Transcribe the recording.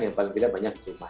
yang paling tidak banyak di rumah